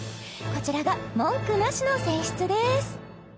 こちらが文句なしの選出です